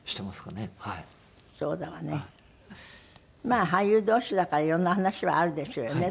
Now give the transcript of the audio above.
まあ俳優同士だからいろんな話はあるでしょうよね